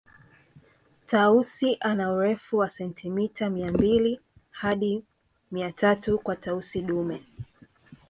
Tausi ana urefu wa sentimeta mia mbili hadi mia tatu kwa Tausi dume